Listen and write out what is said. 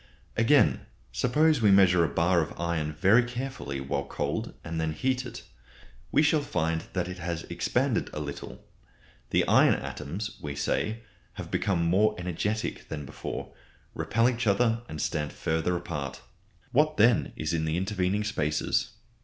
Again, suppose we measure a bar of iron very carefully while cold and then heat it. We shall find that it has expanded a little. The iron atoms, we say, have become more energetic than before, repel each other and stand further apart. What then is in the intervening spaces?